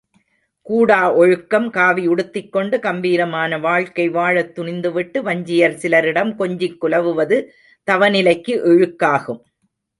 கூடா ஒழுக்கம் காவி உடுத்திக்கொண்டு கம்பீரமான வாழ்க்கை வாழத் துணிந்துவிட்டு வஞ்சியர் சிலரிடம் கொஞ்சிக் குலவுவது தவநிலைக்கு இழுக்காகும்.